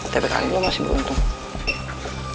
tiap kali lo masih beruntung